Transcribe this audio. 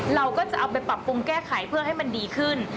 เราก็จะเอาไปปรับปรุงแก้ไขเพื่อให้มันดีขึ้น